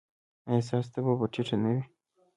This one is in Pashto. ایا ستاسو تبه به ټیټه نه وي؟